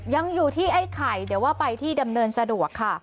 ยังอยู่ที่ไอ้ไข่เดี๋ยวว่าไปที่ดำเนินสะดวกค่ะ